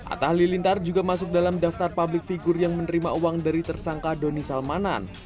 atta halilintar juga masuk dalam daftar publik figur yang menerima uang dari tersangka doni salmanan